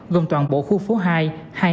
gồm toàn bộ khu phố hai hai a ba a